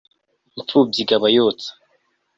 impfubyi ibaga yotsa